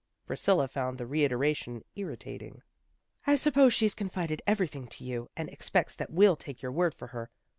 Priscilla found the reiteration irri tating. " I suppose she's confided everything to you, and expects that we'll take your word for her.